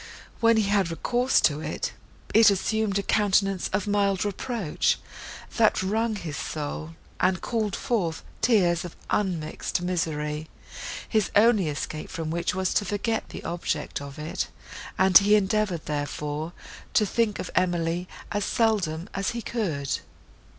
When he had recourse to it, it assumed a countenance of mild reproach, that wrung his soul, and called forth tears of unmixed misery; his only escape from which was to forget the object of it, and he endeavoured, therefore, to think of Emily as seldom as he could.